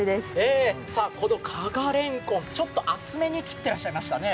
この加賀れんこん、ちょっと厚めに切ってらっしゃいましたね。